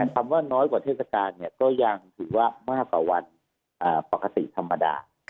คำว่าน้อยกว่าเทศกาลก็มีรายละคับเหมาะกว่าวันปกติธรรมดา